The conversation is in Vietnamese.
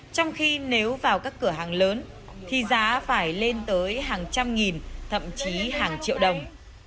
trong khi nếu vào các cửa hàng lớn thì giá phải lên tới hàng trăm nghìn thậm chí hàng triệu đồng